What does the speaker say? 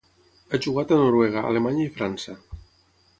Ha jugat a Noruega, Alemanya i França.